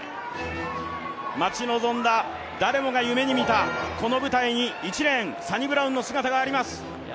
待ち望んだ誰もが夢に見たこの舞台に１レーンサニブラウンの姿があります。